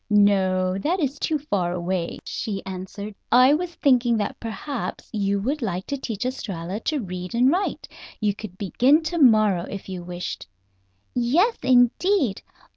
"No that is too far away," she answered. "I was thinking that perhaps you would like to teach Estralla to read and write. You could begin to morrow, if you wished." "Yes, indeed!